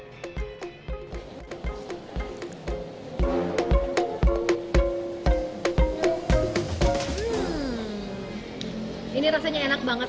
hmm ini rasanya enak banget